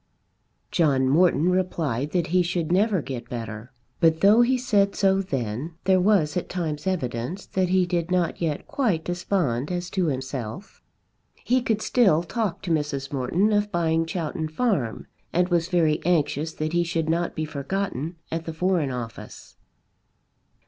John Morton replied that he should never get better; but though he said so then, there was at times evidence that he did not yet quite despond as to himself. He could still talk to Mrs. Morton of buying Chowton Farm, and was very anxious that he should not be forgotten at the Foreign Office.